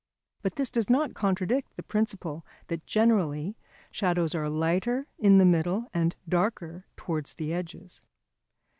But this does not contradict the principle that generally shadows are lighter in the middle and darker towards the edges.